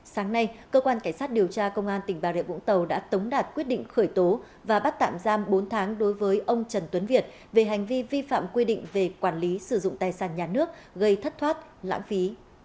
sáng nay cơ quan cảnh sát điều tra công an tỉnh bà rịa vũng tàu đã tống đạt quyết định khởi tố và bắt tạm giam bốn tháng đối với ông trần tuấn việt về hành vi vi phạm quy định về quản lý sử dụng tài sản nhà nước gây thất thoát lãng phí